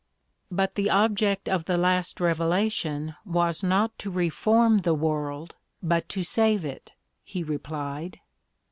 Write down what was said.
"But the object of the last revelation was not to reform the world, but to save it," he replied.